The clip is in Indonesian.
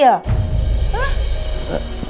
iya tadi ada masalah dikit mah